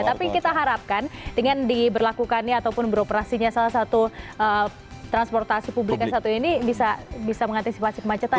tapi kita harapkan dengan diberlakukannya ataupun beroperasinya salah satu transportasi publik yang satu ini bisa mengantisipasi kemacetan